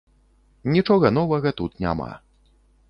Нічога новага тут няма.